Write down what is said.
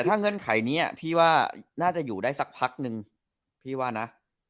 ถ้าเงื่อนไขนี้พี่ว่าน่าจะอยู่ได้สักพักนึงพี่ว่านะ